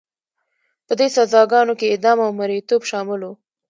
په دې سزاګانو کې اعدام او مریتوب شامل وو.